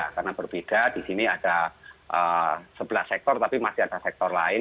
karena berbeda di sini ada sebelas sektor tapi masih ada sektor lain